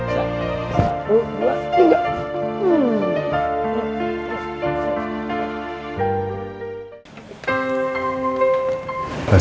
gendong di sini